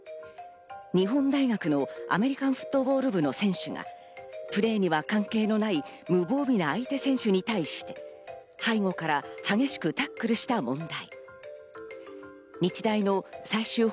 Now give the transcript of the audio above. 日本大学のアメリカンフットボール部の選手がプレーには関係のない無防備な相手選手に対し、背後から激しくタックルした問題。